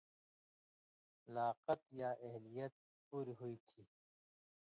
لاقَت یا اہلیت پُوریۡ ہُوئ تھی،